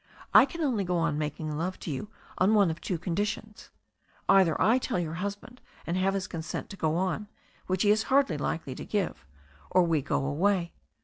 I can only go on making love to you on one of two conditions. Either I tell your husband and have his con sent to go on, which he is hardly likely to give, or we go away.